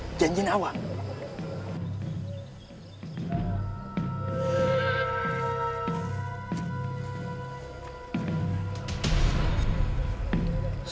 dan dia akan mengejar kakak untuk memotong kakak